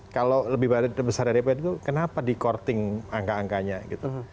kalau lebih besar daripada itu kenapa di courting angka angkanya gitu